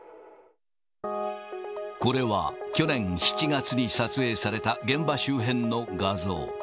これは、去年７月に撮影された現場周辺の画像。